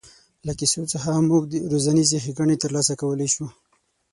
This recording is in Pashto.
له کیسو څخه موږ روزنیزې ښېګڼې تر لاسه کولای شو.